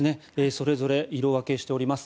それぞれ色分けしております。